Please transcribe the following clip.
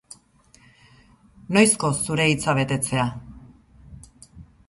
Noizko, zure hitza betetzea?